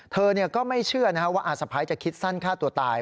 เธอก็ไม่เชื่อว่าอาสะพ้ายจะคิดสั้นฆ่าตัวตาย